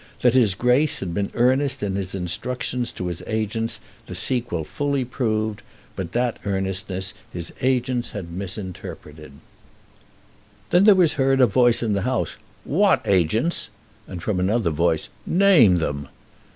That his Grace had been earnest in his instructions to his agents, the sequel fully proved; but that earnestness his agents had misinterpreted." Then there was heard a voice in the House, "What agents?" and from another voice, "Name them."